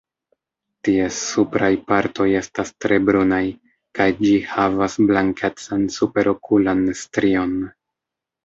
Ties supraj partoj estas tre brunaj, kaj ĝi havas blankecan superokulan strion.